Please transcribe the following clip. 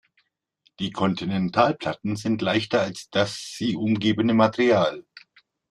Die Kontinentalplatten sind leichter als das sie umgebende Material.